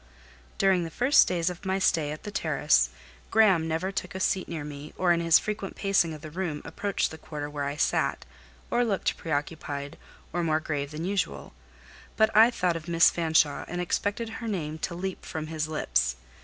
During the first days of my stay at the Terrace, Graham never took a seat near me, or in his frequent pacing of the room approached the quarter where I sat, or looked pre occupied, or more grave than usual, but I thought of Miss Fanshawe and expected her name to leap from his lips.